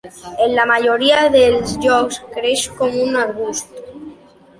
En la majoria dels llocs creix com un arbust.